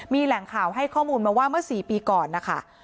มีแหล่งข่าวให้ข้อมูลมาว่าเมื่อ๔ปีก่อนนะคะ